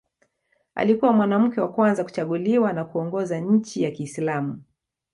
Alikuwa mwanamke wa kwanza kuchaguliwa na kuongoza nchi ya Kiislamu.